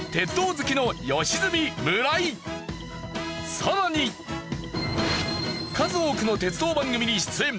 さらに数多くの鉄道番組に出演！